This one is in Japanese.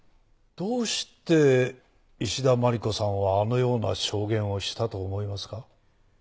どうして石田真理子さんはあのような証言をしたと思いますか？